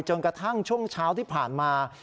จนกระทั่งช่วงเช้าที่ผ่านมา